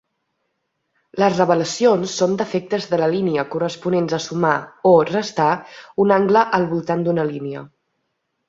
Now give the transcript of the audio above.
Les revelacions són defectes de línia corresponents a "sumar" o "restar" un angle al voltant d'una línia.